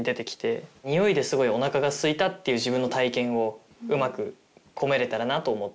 においですごいおなかがすいたっていう自分の体験をうまく込めれたらなと思って。